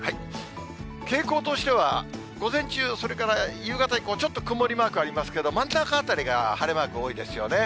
傾向としては、午前中、それから夕方以降、ちょっと曇りマークありますけど、真ん中あたりが晴れマーク多いですよね。